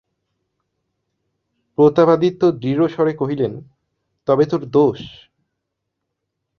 প্রতাপাদিত্য দৃঢ়স্বরে কহিলেন, তবে তোর দোষ?